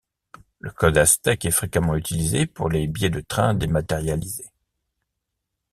Le code Aztec est fréquemment utilisé pour les billets de train dématérialisés.